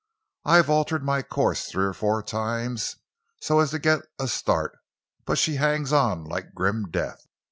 I've altered my course three or four times so as to get a start, but she hangs on like grim death.